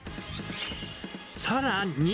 さらに。